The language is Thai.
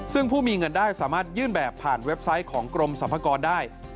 ซึ่งผู้มีเงินได้สามารถยื่นแบบผ่านเว็บไซต์ของกรมสรรพากรได้